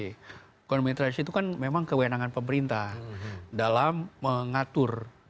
hukuman demilitarasi itu kan memang kewenangan pemerintah dalam mengatur